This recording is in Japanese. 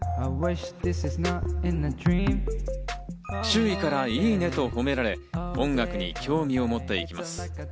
周囲からいいねと褒められ、音楽に興味を持って行きます。